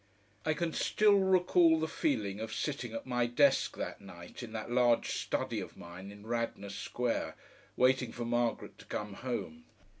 I can still recall the feeling of sitting at my desk that night in that large study of mine in Radnor Square, waiting for Margaret to come home.